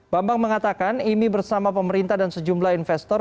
bambang mengatakan imi bersama pemerintah dan sejumlah investor